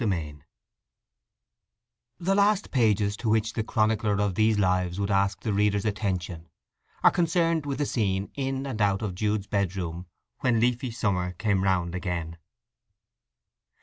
XI The last pages to which the chronicler of these lives would ask the reader's attention are concerned with the scene in and out of Jude's bedroom when leafy summer came round again.